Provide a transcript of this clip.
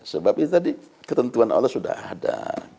sebab itu tadi ketentuan allah sudah ada